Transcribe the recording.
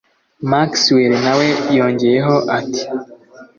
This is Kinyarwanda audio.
Maxwell nawe yongeyeho ati